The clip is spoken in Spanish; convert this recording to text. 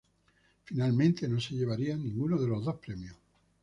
Finalmente no se llevarían ninguno de los dos premios.